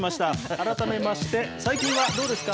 改めまして、最近はどうですか？